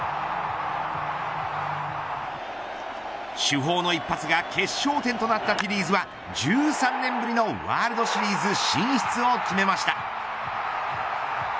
主砲の一発が決勝点となったフィリーズは１３年ぶりのワールドシリーズ進出を決めました。